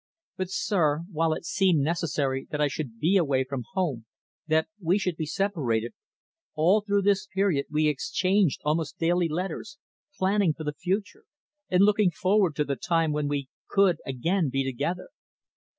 "But, sir, while it seemed necessary that I should be away from home, that we should be separated, all through this period, we exchanged almost daily letters; planning for the future, and looking forward to the time when we could, again, be together."